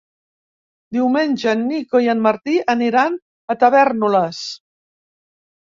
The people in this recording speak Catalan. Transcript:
Diumenge en Nico i en Martí aniran a Tavèrnoles.